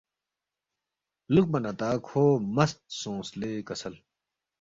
ہلُوکپا نہ تا کھو مست سونگس لے کسل